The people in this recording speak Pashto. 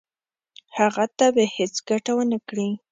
هغه ته به هیڅ ګټه ونه کړي.